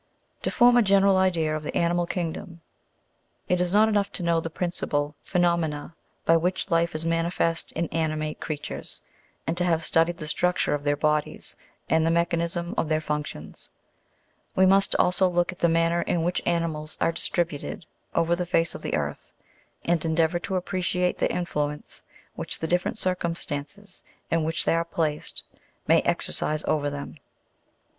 To form a general idea of the animal kingdom, it is not enough to know the principal phenomena by which life is manifest in animate creatures, and 1o have studied the structure of their bodies, and the mechanism of their functions ; we must also look sit the manner in which animals are distributed over the face of the earth, and endeavour to appreciate the influence which the different circumstances in which they are placed may exercise over them.